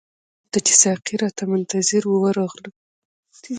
لنګر ته چې ساقي راته منتظر وو ورغلو.